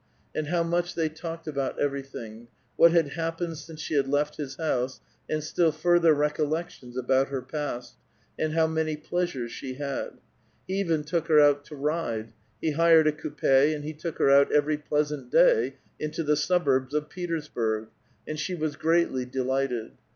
And how much they talked about everj thing ; what had happened since she had left his house, and still further recollections about her past, and how many pleasures she had ; he even took her out to ride ; he hired a conp6, and he took her out every pleasant day into the sub urbs of Petersburg, and she was greatly delighted.